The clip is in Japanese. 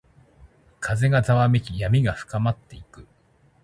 風がざわめき、闇が深まっていく。